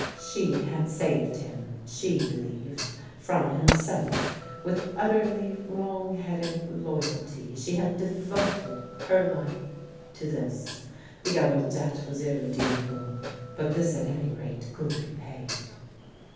She had saved him (she believed) from himself; with utterly wrong headed loyalty she had devoted her life to this. The other debt was irredeemable, but this at any rate could be paid.